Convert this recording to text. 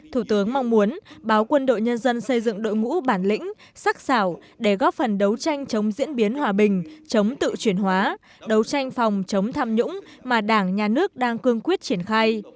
thủ tướng mong muốn báo quân đội nhân dân xây dựng đội ngũ bản lĩnh sắc xảo để góp phần đấu tranh chống diễn biến hòa bình chống tự chuyển hóa đấu tranh phòng chống tham nhũng mà đảng nhà nước đang cương quyết triển khai